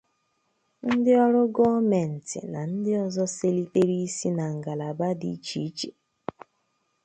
ndị ọrụ gọọmentị na ndị ọzọ selitere isi na ngalaba dị iche iche